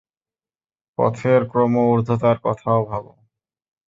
পথের ক্রম-উর্ধ্বতার কথাও ভাব।